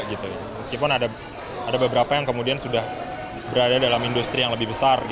meskipun ada beberapa yang kemudian sudah berada dalam industri yang lebih besar